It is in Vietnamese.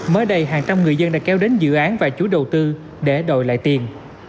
mới đây hàng trăm người dân đã kéo đến dự án và chủ đầu tư để đòi lại tiền